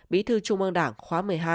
bí thư trung ương đảng khóa một mươi hai